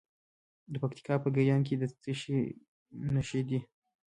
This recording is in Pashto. د پکتیکا په ګیان کې د څه شي نښې دي؟